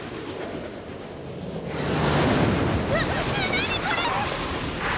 何これ！